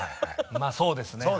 まあそうですね。